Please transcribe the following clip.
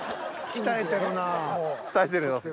鍛えてるな。